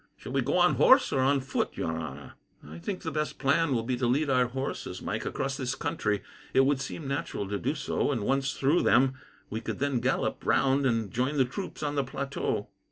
"Shall we go on horse or on foot, your honour?" "I think the best plan will be to lead our horses, Mike, across this country. It would seem natural to do so, and once through them, we could then gallop round and join the troops on the plateau."